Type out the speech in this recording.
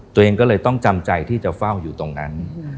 ตัวเองก็เลยต้องจำใจที่จะเฝ้าอยู่ตรงนั้น